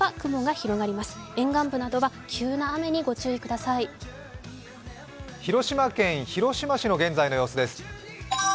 広島県広島市の現在の様子です。